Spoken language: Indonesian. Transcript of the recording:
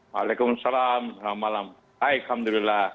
waalaikumsalam selamat malam alhamdulillah